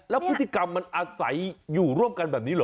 แล้วพฤติกรรมมันอาศัยอยู่ร่วมกันแบบนี้เหรอ